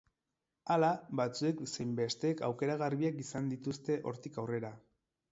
Hala, batzuek zein besteek aukera garbiak izan dituzte hortik aurrera.